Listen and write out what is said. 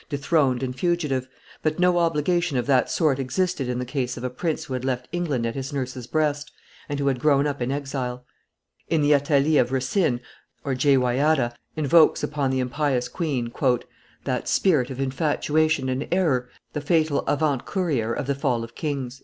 dethroned and fugitive; but no obligation of that sort existed in the case of a prince who had left England at his nurse's, breast, and who had grown up in exile. In the Athalie of Racine, Joad (Jehoiada) invokes upon the impious queen: "That spirit of infatuation and error The fatal avant courier of the fall of kings."